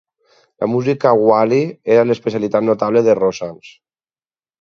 La música Qawwali era l'especialitat notable de Roshan's.